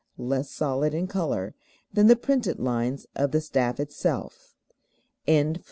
_, less solid in color than the printed lines of the staff itself.] 14.